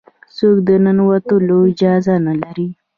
څوک د ننوتلو اجازه نه لري.